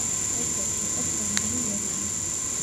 ერთ-ერთი იყო ფრანგული „ლე-მანი“.